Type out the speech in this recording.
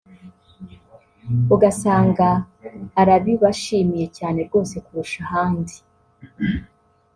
ugasanga arabibashimiye cyane rwose kurusha ahandi